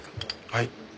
はい。